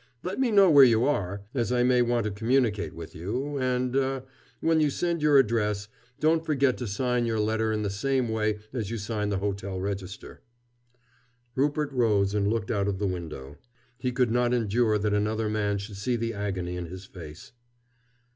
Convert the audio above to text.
Let me know where you are as I may want to communicate with you and er when you send your address, don't forget to sign your letter in the same way as you sign the hotel register." Rupert rose and looked out of the window. He could not endure that another man should see the agony in his face.